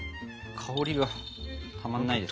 香りがたまんないです。